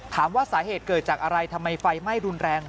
ถามว่าสาเหตุเกิดจากอะไรทำไมไฟไหม้รุนแรง